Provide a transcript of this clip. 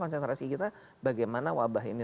konsentrasi kita bagaimana wabah ini